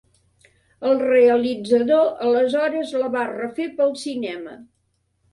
El realitzador aleshores la va refer pel cinema.